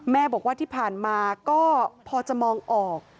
แม่บอกว่าที่ผ่านมาก็พอจะมองออก